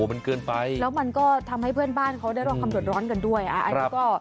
มันเกินไปแล้วมันก็ทำให้เพื่อนบ้านเขาได้รับความเดือดร้อนกันด้วยอ่ะอันนี้ก็